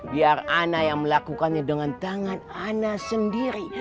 biar anda yang melakukannya dengan tangan anda sendiri